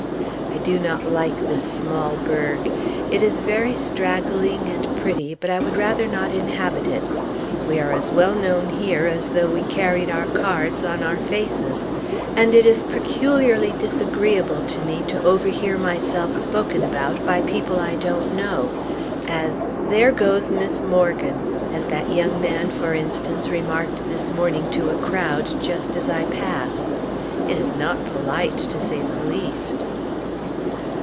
I do not like this small burg. It is very straggling and pretty, but I would rather not inhabit it. We are as well known here as though we carried our cards on our faces, and it is peculiarly disagreeable to me to overhear myself spoken about, by people I don't know, as "There goes Miss Morgan," as that young man, for instance, remarked this morning to a crowd, just as I passed. It is not polite, to say the least.